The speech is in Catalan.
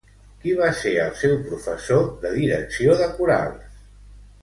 Qui va ser el seu professor de direcció de corals?